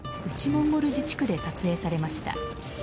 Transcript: モンゴル自治区で撮影されました。